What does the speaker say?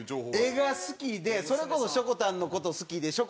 絵が好きでそれこそしょこたんの事好きでしょ